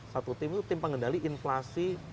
satu tim itu tim pengendali inflasi